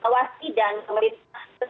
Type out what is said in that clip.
di rumah masing masing ini yang